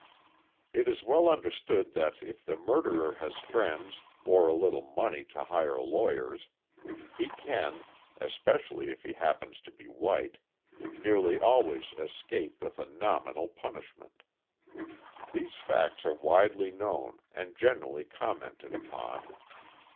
It is well understood that if the murderer has friends or a little money to hire lawyers, he can, especially if he happens to be white, nearly always escape with a nominal punishment. These facts are widely known and generally commented upon.